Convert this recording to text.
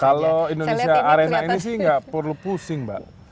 kalau indonesia arena ini sih nggak perlu pusing mbak